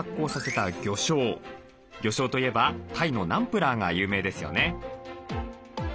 魚しょうといえばタイのナンプラーが有名ですよね。